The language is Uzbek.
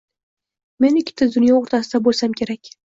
Men ikkita dunyo o‘rtasida bo‘lsam kerak